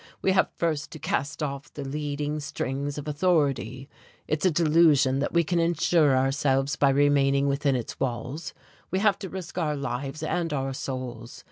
We have first to cast off the leading strings of authority. It's a delusion that we can insure ourselves by remaining within its walls we have to risk our lives and our souls.